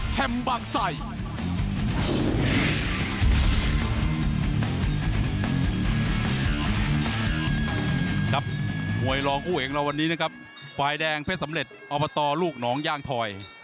มวยรองคู่เอกเราวันนี้นะครับฝ่ายแดงเพชรสำเร็จอบตลูกน้องย่างถอย